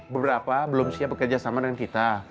beberapa belum siap bekerja sama dengan kita